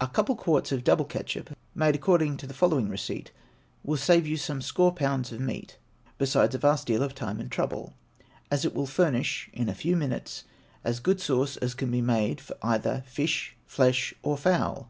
A couple quarts of double ketchup, made according to the following receipt, will save you some score pounds of meat, besides a vast deal of time and trouble, as it will furnish, in a few minutes, as good sauce as can be made for either fish, flesh, or fowl.